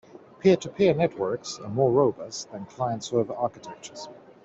Peer-to-peer networks are more robust than client-server architectures.